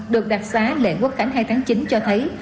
được đặc xá lễ quốc khánh hai tháng chín cho thấy